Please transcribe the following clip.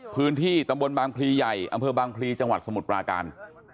พื้นที่ตำบลบางพลีใหญ่อำเภอบางพลีจังหวัดสมุทรปราการ